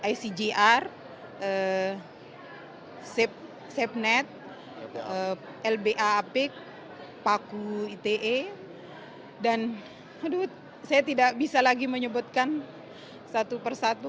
icgr sepnet lbaap paku ite dan saya tidak bisa lagi menyebutkan satu persatu